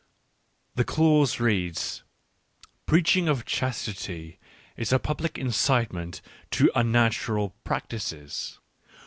The clause reads : "Preaching of chastity/ is a public incitement to unnatural practices.